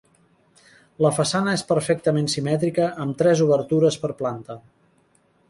La façana és perfectament simètrica amb tres obertures per planta.